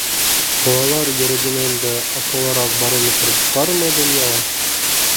Балалар йөрәгенән дә аҡыллыраҡ барометр бармы донъяла?